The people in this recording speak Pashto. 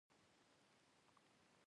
احمد د خپلې مور د قدمونو خاورې دی.